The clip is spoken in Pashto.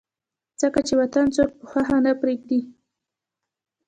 ځکه چې وطن څوک پۀ خوښه نه پريږدي